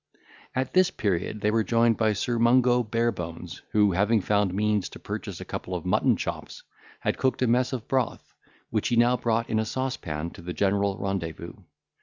At this period they were joined by Sir Mungo Barebones, who, having found means to purchase a couple of mutton chops, had cooked a mess of broth, which he now brought in a saucepan to the general rendezvous.